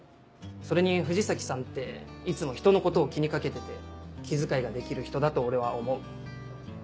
それに藤崎さんっていつも人のことを気にかけてて気遣いができる人だと俺は思う。